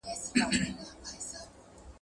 • گل د کډو گل دئ، چي يو پورته کوې تر لاندي بل دئ.